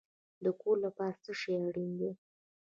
د کور لپاره څه شی اړین دی؟